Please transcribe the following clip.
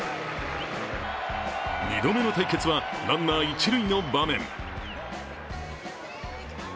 ２度目の対決はランナー一塁の場面。